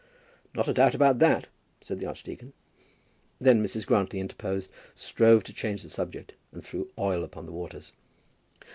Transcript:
"Not a doubt about that," said the archdeacon. Then Mrs. Grantly interposed, strove to change the subject, and threw oil upon the waters.